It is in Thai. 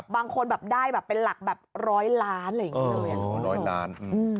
บางคนแบบได้แบบเป็นหลักแบบร้อยล้านอะไรอย่างนี้เลยอ่ะอ๋อร้อยล้าน